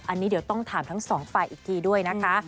อันนี้เดี๋ยวต้องถามทั้งสองฝ่ายอีกทีด้วยนะคะ